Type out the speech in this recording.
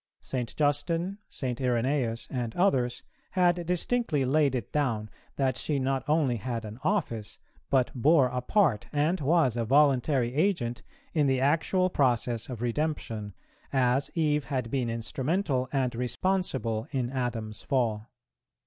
St. Justin, St. Irenæus, and others, had distinctly laid it down, that she not only had an office, but bore a part, and was a voluntary agent, in the actual process of redemption, as Eve had been instrumental and responsible in Adam's fall.